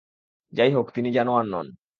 যাইহোক, তিনি জানোয়ার নন।